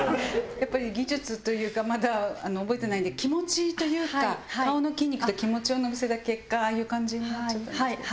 やっぱり技術というかまだ覚えてないので気持ちというか顔の筋肉と気持ちを乗せた結果ああいう感じになっちゃったんですけど。